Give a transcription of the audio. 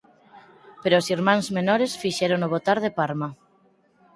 Pero os Irmáns Menores fixérono botar de Parma.